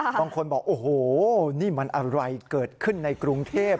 บางคนบอกโอ้โหนี่มันอะไรเกิดขึ้นในกรุงเทพ